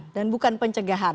dan bukan pencegahan